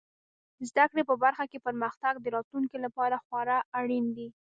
زده کړې په برخو کې پرمختګ د راتلونکي لپاره خورا اړین دی.